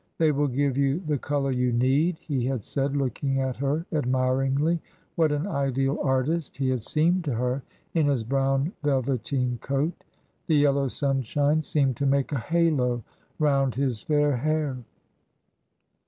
"They will give you the colour you need," he had said, looking at her admiringly; what an ideal artist he had seemed to her in his brown velveteen coat! The yellow sunshine seemed to make a halo round his fair hair.